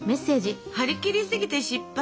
「はりきりすぎて失敗。